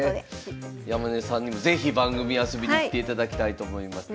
山根さんにも是非番組遊びに来ていただきたいと思います。